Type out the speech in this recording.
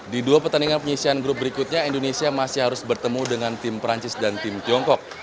di dua pertandingan penyisian grup berikutnya indonesia masih harus bertemu dengan tim perancis dan tim tiongkok